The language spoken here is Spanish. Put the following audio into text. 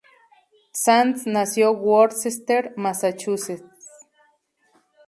Sands nació Worcester, Massachusetts.